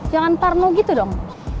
jangan tarno gitu dong